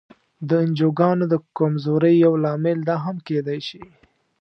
د انجوګانو د کمزورۍ یو لامل دا هم کېدای شي.